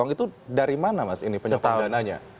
itu dari mana mas ini penyebaran dananya